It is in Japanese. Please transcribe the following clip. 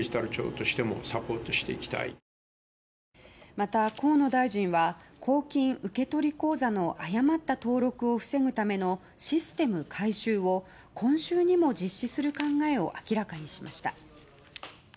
また、河野大臣は公金受取口座の誤った登録を防ぐためのシステム改修を今週にも実施する考えを明らかにしました。